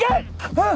あっ！